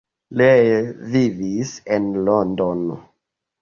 Lee vivis en Londono.